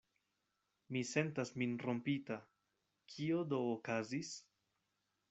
Mi sentas min rompita: kio do okazis?